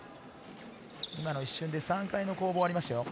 今の一瞬で３回の攻防がありましたよ。